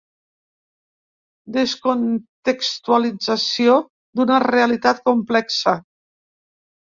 Descontextualització d’una realitat complexa.